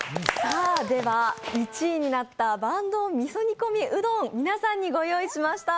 では１位になった坂東みそ煮込みうどん、皆さんにご用意しました。